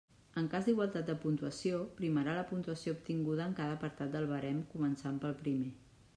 En cas d'igualtat de puntuació, primarà la puntuació obtinguda en cada apartat del barem començant pel primer.